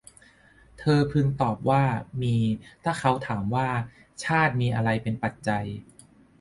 เธอพึงตอบว่า มี ถ้าเขาถามว่า ชาติมีอะไรเป็นปัจจัย